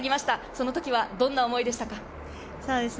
その時はどんな思いでしたか？